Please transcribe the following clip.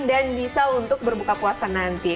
dan bisa untuk berbuka puasa nanti